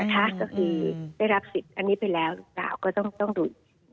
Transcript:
ก็คือได้รับสิทธิ์อันนี้ไปแล้วหรือเปล่าก็ต้องดู